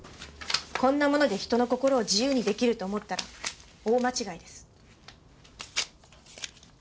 こんなもので人の心を自由に出来ると思ったら大間違いです。